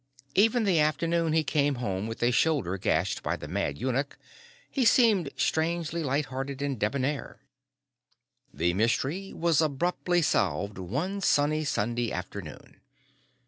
Even the afternoon he came home with a shoulder gashed by the Mad Eunuch he seemed strangely light hearted and debonair. The Mystery was abruptly solved one sunny Sunday afternoon.